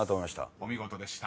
［お見事でした。